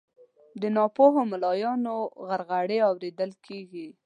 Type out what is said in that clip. د ناپوهو ملایانو غرغړې اورېدل کیږي